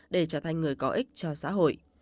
để trở thành người có ích cho xã hội